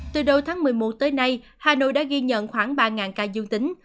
từ đầu tháng một mươi một tới nay hà nội đã ghi nhận khoảng ba ca dương tính